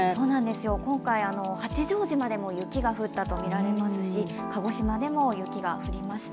今回、八丈島でも雪が降ったとみられますし鹿児島でも雪が降りました。